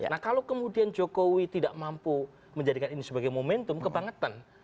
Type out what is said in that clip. nah kalau kemudian jokowi tidak mampu menjadikan ini sebagai momentum kebangetan